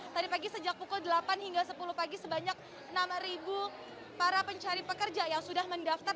tadi pagi sejak pukul delapan hingga sepuluh pagi sebanyak enam para pencari pekerja yang sudah mendaftar